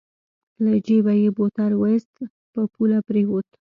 له جېبه يې بوتل واېست په پوله پرېوت.